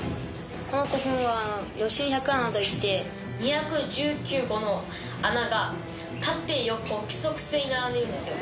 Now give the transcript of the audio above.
この古墳は吉見百穴といって２１９個の穴が縦横規則性に並んでいるんですよ。